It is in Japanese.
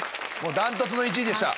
断トツの１位でした。